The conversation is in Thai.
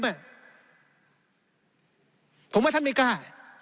ผมว่าท่านไม่กล้า